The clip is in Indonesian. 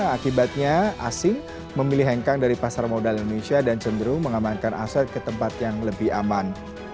akibatnya asing memilih hengkang dari pasar modal indonesia dan cenderung mengamankan aset ke tempat yang lebih aman